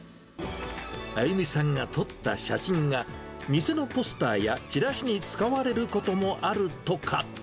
あゆみさんが撮った写真が、店のポスターやチラシに使われることもあるとか。